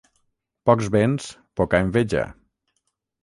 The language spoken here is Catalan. Pocs béns, poca enveja.